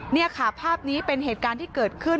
นี่ค่ะภาพนี้เป็นเหตุการณ์ที่เกิดขึ้น